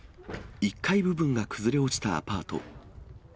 １階部分が崩れ落ちたアパート。